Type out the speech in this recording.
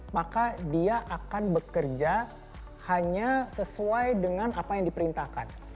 maka dia akan bekerja hanya sesuai dengan apa yang diperintahkan